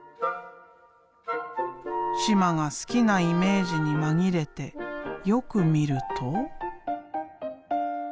嶋が好きなイメージに紛れてよく見ると。